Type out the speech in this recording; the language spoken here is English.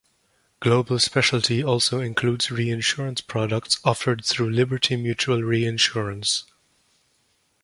Global Specialty also includes reinsurance products offered through Liberty Mutual Reinsurance.